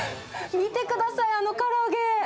見てください、あのから揚げ。